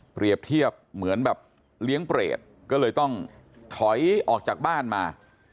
เปรียบเทียบเหมือนแบบเลี้ยงเปรตก็เลยต้องถอยออกจากบ้านมา